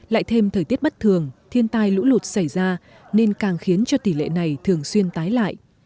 lại thêm thời tiết bất thường thiên tai lũ lụt xảy ra nên càng khiến cho tỷ lệ này thường xuyên tái lại